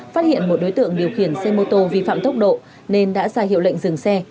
phát hiện một đối tượng điều khiển xe mô tô vi phạm tốc độ nên đã ra hiệu lệnh dừng xe